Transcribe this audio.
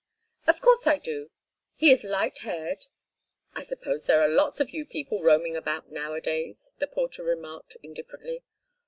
"Of course I do. He is light haired—" "I suppose there are lots of you people roaming about nowadays," the porter remarked indifferently.